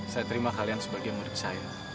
saya terima kalian sebagai murid saya